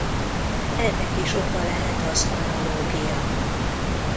Ennek is oka lehet az analógia.